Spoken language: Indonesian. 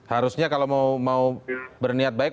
harusnya kalau mau berniat baik